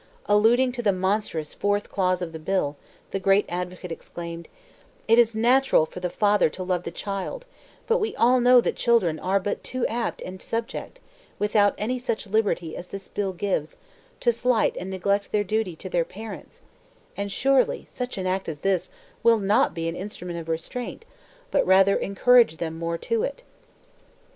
Alluding to the monstrous fourth clause of the bill, the great advocate exclaimed:— "It is natural for the father to love the child; but we all know that children are but too apt and subject, without any such liberty as this bill gives, to slight and neglect their duty to their parents; and surely such an act as this will not be an instrument of restraint, but rather encourage them more to it.